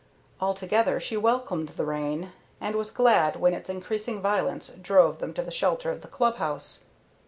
Altogether she welcomed the rain, and was glad when its increasing violence drove them to the shelter of the club house.